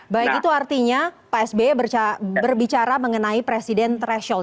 baik itu artinya pak sby berbicara mengenai presiden threshold